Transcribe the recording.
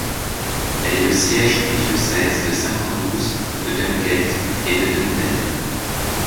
Elle est le siège du diocèse de Saint Andrews, de Dunkeld et de Dunblane.